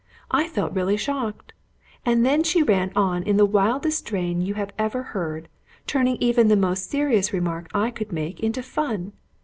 I felt really shocked. And then she ran on in the wildest strain you ever heard, turning even the most serious remark I could make into fun.